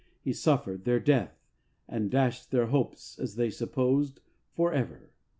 He suffered their death and dashed their hopes, as they supposed, for ever.